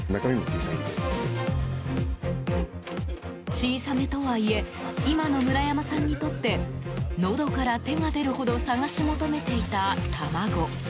小さめとはいえ今の村山さんにとってのどから手が出るほど探し求めていた卵。